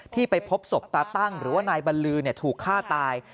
ที่ไปพบศพตาตั้งหรือว่านายบัลลือเนี้ยถูกฆ่าตาย